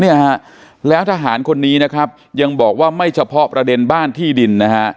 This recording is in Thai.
เนี่ยฮะแล้วทหารคนนี้นะครับยังบอกว่าไม่เฉพาะประเด็นบ้านที่ดินนะฮะ